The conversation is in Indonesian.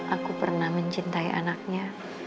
aku pernah mencintai anaknya